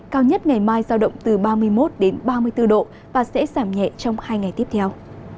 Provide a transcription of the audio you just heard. cao nhất ngày mai giao động từ ba mươi một ba mươi bốn độ và sẽ giảm nhẹ trong hai ngày tiếp theo